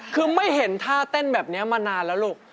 คือไม่เห็นท่าเต้นแบบนี้มานานแล้วลูก